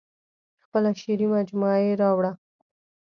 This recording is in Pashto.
خپله شعري مجموعه یې راوړه.